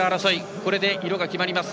これで色が決まります。